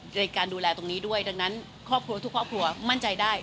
ในการดูแลตรงนี้ด้วยดังนั้นครอบครัวทุกครอบครัวมั่นใจได้